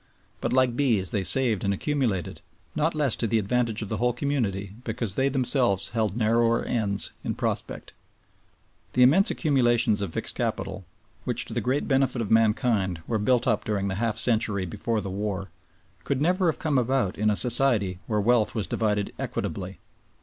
But like bees they saved and accumulated, not less to the advantage of the whole community because they themselves held narrower ends in prospect. The immense accumulations of fixed capital which, to the great benefit of mankind, were built up during the half century before the war, could never have come about in a Society where wealth was divided equitably.